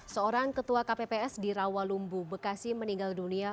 seorang ketua kpps di rawalumbu bekasi meninggal dunia